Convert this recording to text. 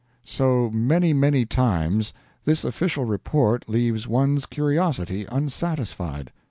] So many many times this Official Report leaves one's curiosity unsatisfied.